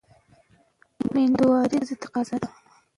مېندواري د ښځې تقاضا ده.